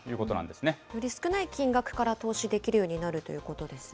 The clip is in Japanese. より少ない金額から投資できるようになるということですね。